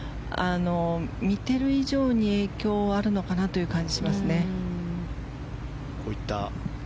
見ている以上に影響があるのかなという感じがしますね。